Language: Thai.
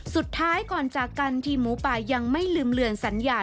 สุดท้ายก่อนจากกันทีมหมูป่ายังไม่ลืมเลือนสัญญา